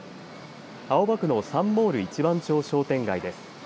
青葉区のサンモール一番町商店街です。